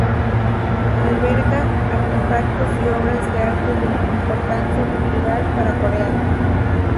Alberga artefactos y obras de arte de importancia cultural para Corea.